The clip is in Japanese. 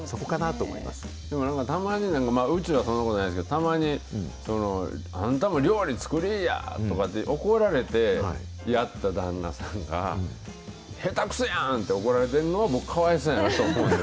たまに、うちはそんなことないですけど、たまに、あんたも料理作りいやとか怒られてやった旦那さんが、下手くそやんって怒られてるのは、かわいそうやなと思うんです。